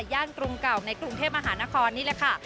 กรุงเก่าในกรุงเทพมหานครนี่แหละค่ะ